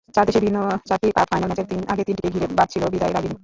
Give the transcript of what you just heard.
চার দেশে ভিন্ন চারটি কাপ ফাইনাল, ম্যাচের আগে তিনটিকেই ঘিরে বাজছিল বিদায়রাগিণী।